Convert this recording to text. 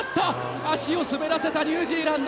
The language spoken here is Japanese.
足を滑らせたニュージーランド。